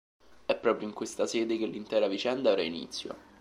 È proprio in questa sede che l'intera vicenda avrà inizio.